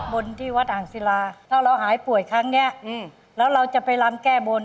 มนตร์ที่วัดอ่างศิลาเมื่อเราหายป่วยครั้งเนี่ยแล้วเราจะไปร้ำแก้มนตร์